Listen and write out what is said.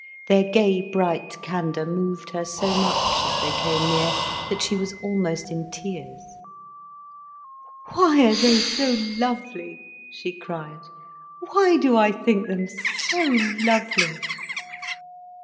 Their gay bright candour moved her so much as they came near, that she was almost in tears. "Why are they so lovely," she cried. "Why do I think them so lovely?"